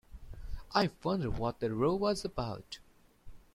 I wonder what the row was about.